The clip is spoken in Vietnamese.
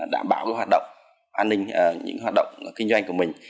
đảm bảo hoạt động an ninh những hoạt động kinh doanh của mình